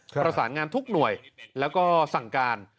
ประสานงานทุกหน่วยแล้วก็สั่งการ